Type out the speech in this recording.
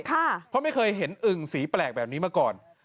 เพราะไม่เคยเห็นอึ่งสีแปลกแบบนี้มาก่อน